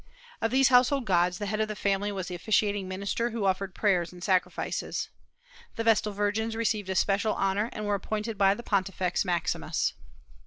Of these household gods the head of the family was the officiating minister who offered prayers and sacrifices. The Vestal virgins received especial honor, and were appointed by the Pontifex Maximus.